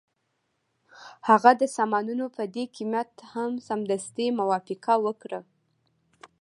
هغه د سامانونو په دې قیمت هم سمدستي موافقه وکړه